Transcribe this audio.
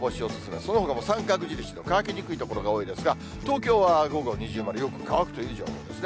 そのほかも三角印の乾きにくい所が多いですが、東京は午後二重丸、よく乾くという情報ですね。